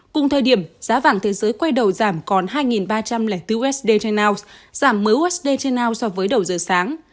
cùng thời điểm giá vàng thế giới quay đầu giảm còn hai ba trăm linh bốn usd trên ounce giảm mới usd trên now so với đầu giờ sáng